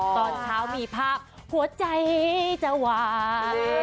ตอนเช้ามีภาพหัวใจจะหวาน